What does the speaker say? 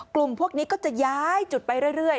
กลุ่มพวกนี้ก็จะย้ายจุดไปเรื่อย